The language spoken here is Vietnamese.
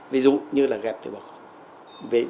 ví dụ như là ghẹp tế bào gốc